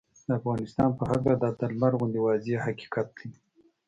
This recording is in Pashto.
د افغانستان په هکله دا د لمر غوندې واضحه حقیقت دی